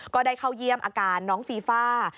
ก็ได้เข้าเยี่ยมอาการน้องฟีฟ่า